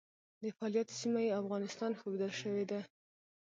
د فعالیت سیمه یې افغانستان ښودل شوې ده.